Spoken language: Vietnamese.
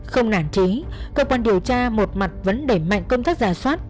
không nản trí cơ quan điều tra một mặt vấn đề mạnh công tác giả soát